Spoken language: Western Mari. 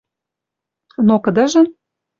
Но кыдыжын